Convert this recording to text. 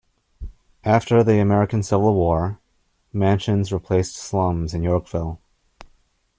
After the American Civil War, mansions replaced slums in Yorkville.